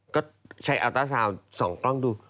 ก็ใช้อัลต้าซาวน์๒กล้องดู